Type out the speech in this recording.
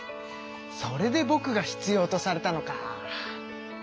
それでぼくが必要とされたのか。